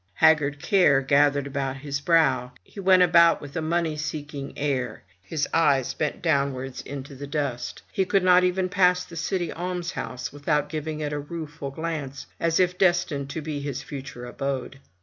Haggard care gathered about his brow; he went about with a money seeking air, his eyes bent downwards into the dust. He could not even pass the city almshouse without giving it a rueful glance, as if destined to be his future abode.